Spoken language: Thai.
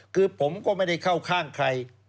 คือผมก็ไม่ได้เข้าข้างใคร